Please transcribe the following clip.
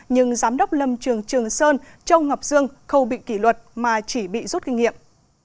nhưng giám đốc lâm trường trường sơn châu ngọc dương không bị kỷ luật mà chỉ bị rút kinh nghiệm